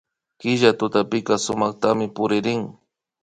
Killa tutapika sumaktami puririn